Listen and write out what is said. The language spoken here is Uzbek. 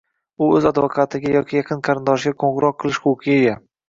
u o‘z advokatiga yoki yaqin qarindoshiga qo‘ng‘iroq qilish huquqiga ega